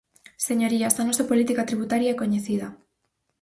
Señorías, a nosa política tributaria é coñecida.